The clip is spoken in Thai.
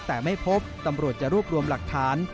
แต่ไม่พบตำรวจจะรวบรวมหลักฐาน